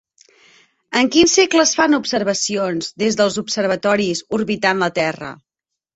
En quin segle es fan observacions des dels observatoris orbitant la Terra?